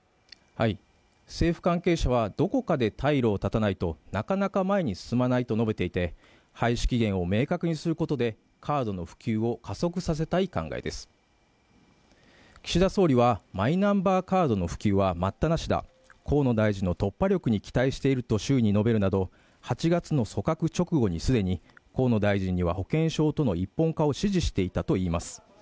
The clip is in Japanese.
政府関係者はどこかで退路を断たないとなかなか前に進まないと述べていて廃止期限を明確にすることでカードの普及を加速させたい考えです岸田総理はマイナンバーカードの普及は待ったなしだ河野大臣の突破力に期待していると周囲に述べるなど８月の組閣直後にすでに河野大臣には保険証との１本化を支持していたといいます